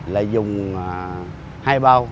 là dùng hai bao